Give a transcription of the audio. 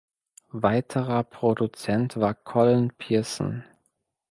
Weiterer Produzent war Colin Pearson.